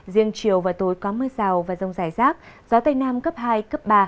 riêng chiều và tối có mưa rào và rông rải rác gió tây nam cấp hai cấp ba